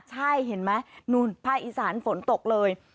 ใช่เห็นไหมนู่นภาคอีสานฝนตกเลย